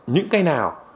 những cái nào